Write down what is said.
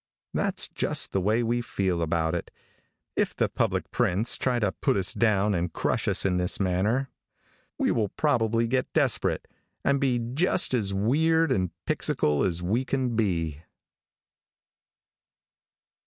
That's just the way we feel about it. If the public prints try to put us down and crush us in this manner, we will probably get desperate and be just as weird and pixycal as we can be.